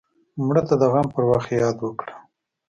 مړه ته د غم پر وخت یاد وکړه